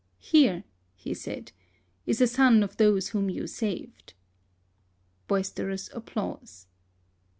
" Here," he said, " is a son of those whom you saved." (Boisterous applause.)